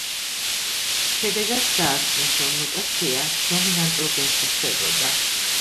შედეგად დაასკვნეს, რომ მუტაცია დომინანტურ გენში ხდებოდა.